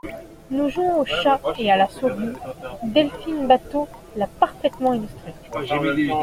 Nous jouons au chat et à la souris, Delphine Batho l’a parfaitement illustré.